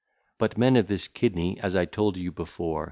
But men of this kidney, as I told you before.